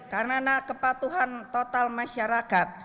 karena kepatuhan total masyarakat